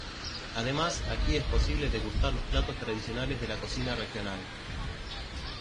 Además, aquí es posible degustar los platos tradicionales de la cocina regional.